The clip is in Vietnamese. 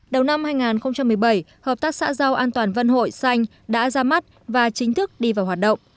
đầu năm hai nghìn một mươi bảy hợp tác xã rau an toàn vân hội xanh đã ra mắt và chính thức đi vào hoạt động